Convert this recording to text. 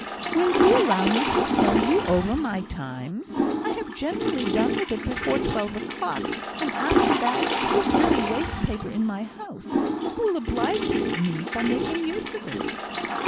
"Will you allow me to send you over my Times? I have generally done with it before twelve o'clock, and after that it is really waste paper in my house. You will oblige me by making use of it."